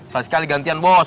tak sekali gantian bos